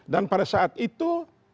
dan pada saat itu